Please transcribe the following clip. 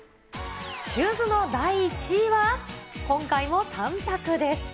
シューズの第１位は、今回も３択です。